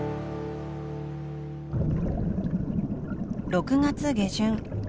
６月下旬。